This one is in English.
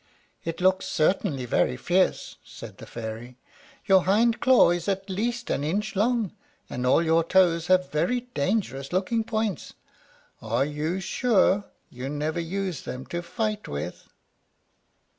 "It looks certainly very fierce," said the Fairy. "Your hind claw is at least an inch long, and all your toes have very dangerous looking points. Are, you sure you never use them to fight with?"